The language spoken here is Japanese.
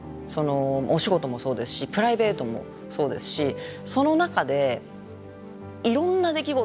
お仕事もそうですしプライベートもそうですしその中でいろんな出来事がある。